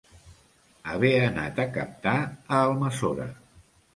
Haver anat a captar a Almassora.